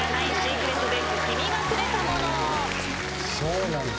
そうなんです。